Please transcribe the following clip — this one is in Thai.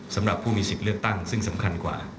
สำหรับผู้มีสิทธิ์เลือกตั้งซึ่งสำคัญกว่า